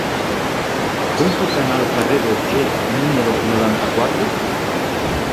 Com puc anar al carrer d'Otger número noranta-quatre?